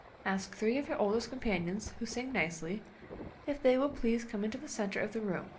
"Ask three of your oldest companions who sing nicely, if they will please come into the centre of the room.